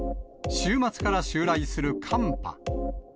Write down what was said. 週末から襲来する寒波。